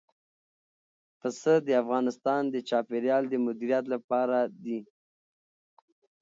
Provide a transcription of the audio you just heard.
پسه د افغانستان د چاپیریال د مدیریت لپاره دي.